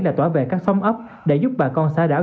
là tỏa về các sông ấp để giúp bà con xã đảo